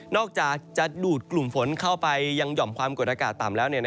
อกจากจะดูดกลุ่มฝนเข้าไปยังห่อมความกดอากาศต่ำแล้ว